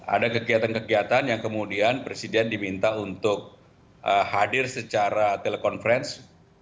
ada kegiatan kegiatan yang kemudian presiden diminta untuk hadir secara telekonferensi